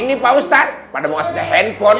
ini pak ustad pada mau asli handphone